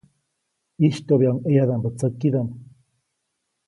ʼYistyoʼbyaʼuŋ ʼeyadaʼmbä tsäkidaʼm.